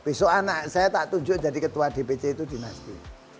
besok anak saya tak tunjuk jadi ketua dpc itu dinasti